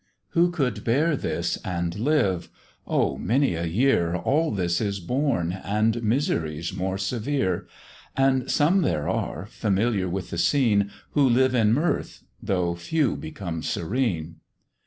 Who could bear this and live? Oh! many a year All this is borne, and miseries more severe; And some there are, familiar with the scene, Who live in mirth, though few become serene.